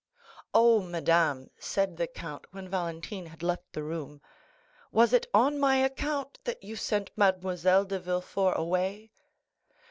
"Oh, madame," said the count, when Valentine had left the room, "was it on my account that you sent Mademoiselle de Villefort away?"